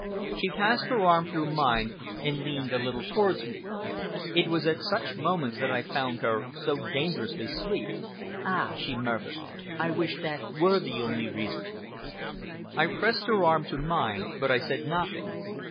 She passed her arm through mine, and leaned a little towards me. It was at such moments that I found her so dangerously sweet. "Ah!" she murmured, "I wish that that were the only reason!" I pressed her arm to mine, but I said nothing.